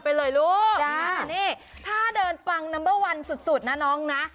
ไปเลยลูกนี่ถ้าเดินปังนัมเบอร์วันสุดสุดนะน้องนะ